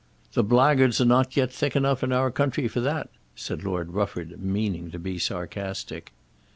"The blackguards are not yet thick enough in our country for that," said Lord Rufford, meaning to be sarcastic.